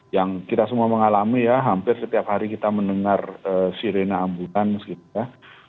yang kita semua mengalami ya hampir setiap hari kita mendengar sirena ambulans gitu ya